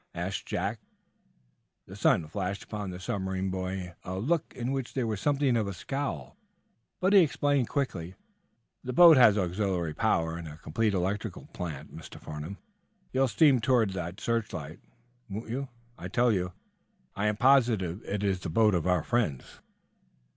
asked Jack, wonderingly. The son flashed upon the submarine boy a look in which there was something of a scowl, but he explained quickly: "The boat has auxiliary power, and a complete electric light plant. Mr. Farnum, you'll steam toward that searchlight, won't you? I tell you, I am positive it is the boat of our friends."